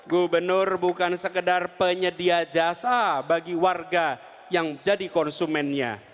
gubernur bukan sekedar penyedia jasa bagi warga yang jadi konsumennya